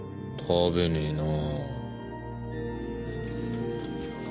食べねえな。